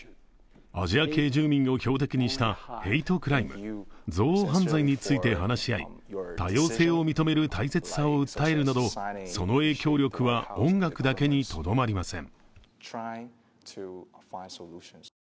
アジア系住民を標的にしたヘイトクライム＝憎悪犯罪について話し合い、多様性を認める大切さを訴えるなど、その影響力は音楽だけにとどまりません。